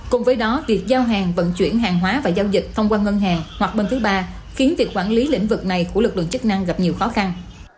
cùng với đó việc giao hàng vận chuyển hàng hóa và giao dịch thông qua ngân hàng hoặc bên thứ ba khiến việc quản lý lĩnh vực này của lực lượng chức năng gặp nhiều khó khăn